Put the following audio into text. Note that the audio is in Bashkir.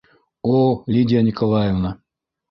О, Лидия Николаевна!